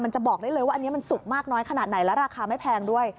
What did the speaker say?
จะบอกได้เลยว่าอันนี้มันสุกมากน้อยขนาดไหนและราคาไม่แพงด้วย